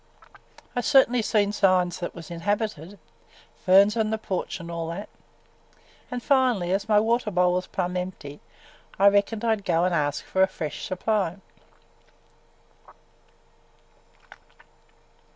"I certainly seen signs it was inhabited – ferns on the porch, an' all that. An' finally, as my water bottle was plumb empty, I reckoned I 'd go and ask for a fresh supply."